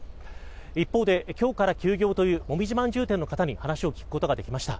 一方で今日から休業というもみじ饅頭店の方に話を聞くことができました。